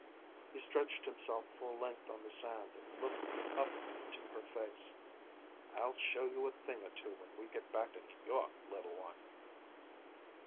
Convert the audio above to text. He stretched himself full length on the sand and looked up into her face. "I'll show you a thing or two when we get back to New York, little one."